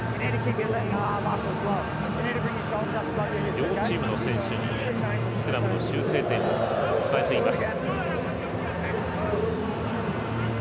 両チームの選手にスクラムの修正点を伝えています。